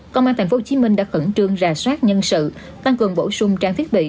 công an thành phố hồ chí minh đã khẩn trương rà soát nhân sự tăng cường bổ sung trang thiết bị